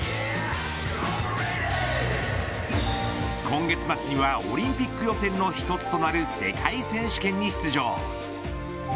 今月末には、オリンピック予選の１つとなる世界選手権に出場。